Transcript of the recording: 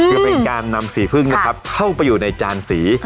คือเป็นการนำสีพึ่งนะครับเข้าไปอยู่ในจานสี